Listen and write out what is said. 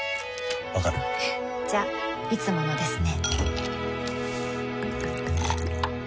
わかる？じゃいつものですね